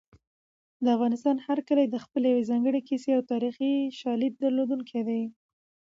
د افغانستان هر کلی د خپلې یوې ځانګړې کیسې او تاریخي شاليد درلودونکی دی.